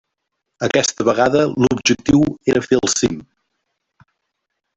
Aquesta vegada l'objectiu era fer el cim.